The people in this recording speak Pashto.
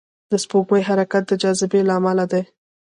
د سپوږمۍ حرکت د جاذبې له امله دی.